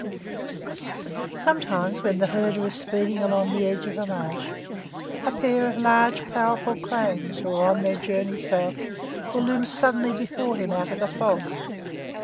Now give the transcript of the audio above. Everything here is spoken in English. Sometimes when the herder is speeding along the edge of the marsh, a pair of large, powerful cranes, who are on their journey south, will loom suddenly before him out of the fog.